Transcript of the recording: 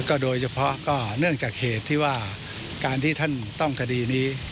โดยเฉพาะก็เนื่องจากเหตุที่ว่าการที่ท่านต้องคดีนี้